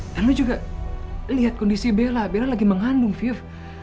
dan lo juga lihat kondisi bella bella lagi mengandung fiv